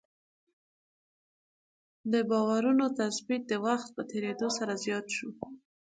د باورونو تثبیت د وخت په تېرېدو سره زیات شو.